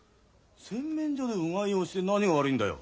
洗面所でうがいをして何が悪いんだよ。